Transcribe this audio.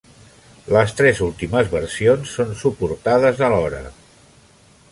Les tres últimes versions són suportades a l'hora.